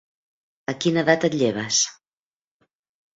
A quina edat et lleves?